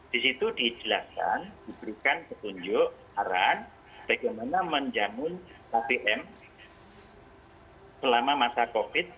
di situ dijelaskan diberikan petunjuk arahan bagaimana menjamun kbm selama masa covid sembilan belas